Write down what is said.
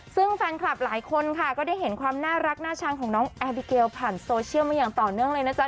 ซึ่งแฟนคลับหลายคนค่ะก็ได้เห็นความน่ารักน่าชังของน้องแอร์บิเกลผ่านโซเชียลมาอย่างต่อเนื่องเลยนะจ๊